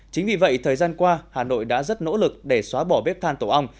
chính vì vậy thời gian qua hà nội đã rất nỗ lực để xóa bỏ bếp than tổ ong